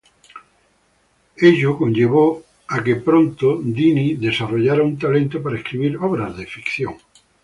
Ello conllevó a que pronto, Dini desarrollara un talento para escribir obras de ficción.